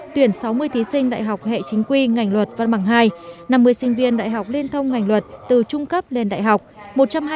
tuyển sáu mươi thí sinh đại học hệ chính quy ngành luật văn bằng hai năm mươi sinh viên đại học liên thông ngành luật từ trung cấp lên đại học